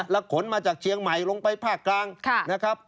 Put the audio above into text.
แล้วขนมาจากเชียงใหม่ลงไปภาคกลางนะครับ